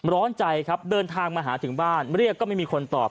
ร้อนใจครับเดินทางมาหาถึงบ้านเรียกก็ไม่มีคนตอบ